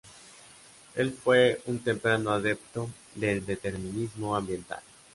Él fue un temprano adepto del determinismo ambiental.